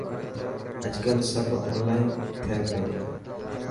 اڄڪل سب اونلائن ٿي پيو.